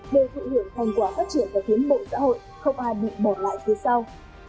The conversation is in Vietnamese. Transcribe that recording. đều thụ hưởng thành quả phát triển và tiến bộ xã hội không ai bị bỏ lại phía sau